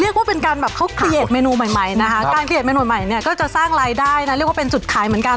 เรียกว่าเป็นการแบบเขาเคลียร์ดเมนูใหม่ใหม่นะคะการเกลียดเมนูใหม่เนี่ยก็จะสร้างรายได้นะเรียกว่าเป็นจุดขายเหมือนกัน